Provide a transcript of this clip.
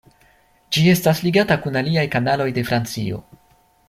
Ĝi estas ligata kun aliaj kanaloj de Francio.